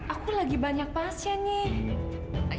aku lagi banyak pasien nih